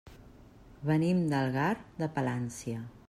Venim d'Algar de Palància.